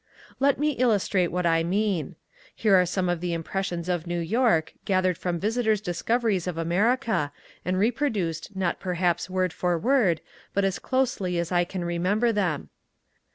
Let me illustrate what I mean. Here are some of the impressions of New York, gathered from visitors' discoveries of America, and reproduced not perhaps word for word but as closely as I can remember them.